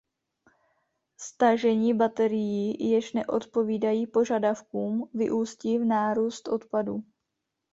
Stažení baterií, jež neodpovídají požadavkům, vyústí v nárůst odpadů.